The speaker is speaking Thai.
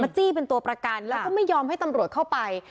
จี้เป็นตัวประกันแล้วก็ไม่ยอมให้ตำรวจเข้าไป